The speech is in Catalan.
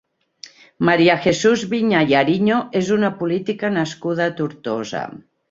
Maria Jesús Viña i Ariño és una política nascuda a Tortosa.